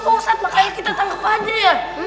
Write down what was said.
ustadz makanya kita tangkep aja ya